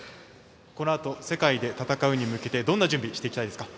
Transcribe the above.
このあと世界で戦うに向けてどんな準備をしていきたいですか。